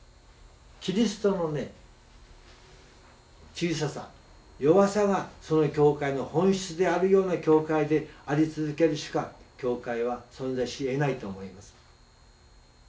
キリストのね小ささ弱さがその教会の本質であるような教会であり続けるしか教会は存在しえないと思います。